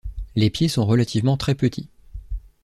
Les pieds sont relativement très petits.